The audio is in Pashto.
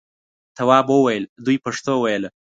تواب وویل دوی پښتو ویله.